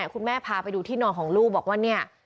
พาไปดูที่นอนของลูกบอกว่าเนี่ย